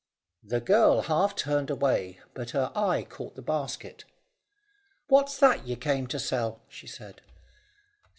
The girl half turned away, but her eye caught the basket. "What's that you came to sell?" she said.